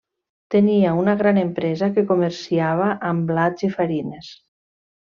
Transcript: Tenia una gran empresa que comerciava amb blats i farines.